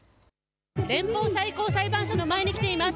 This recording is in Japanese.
連邦最高裁判所の前に来ています。